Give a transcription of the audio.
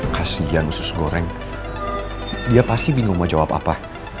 kasian usus goreng dia pasti bingung mau jawab apa